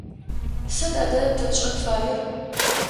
Сыд адэ тэ тшӏэн фаер?